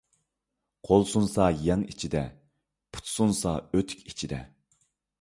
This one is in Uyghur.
قول سۇنسا يەڭ ئىچىدە، پۇت سۇنسا ئۆتۇك ئىچىدە.